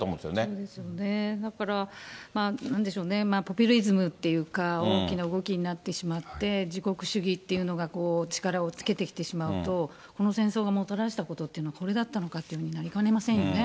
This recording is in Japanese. そうですよね、なんでしょうね、ポピュリズムっていうか、大きな動きになってしまって、自国主義っていうのがこう、力をつけてきてしまうと、この戦争がもたらしたことっていうのは、これだったのかってなりかねませんよね。